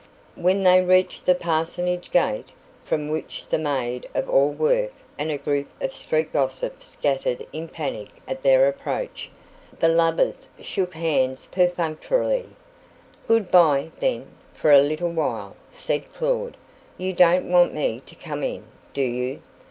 When they reached the parsonage gate, from which the maid of all work and a group of street gossips scattered in panic at their approach, the lovers shook hands perfunctorily. "Goodbye, then, for a little while," said Claud. "You don't want me to come in, do you?"